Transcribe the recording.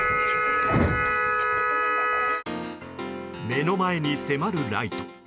目の前に迫るライト。